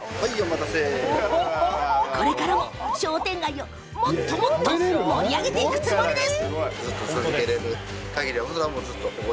これからも商店街を盛り上げていくつもりです。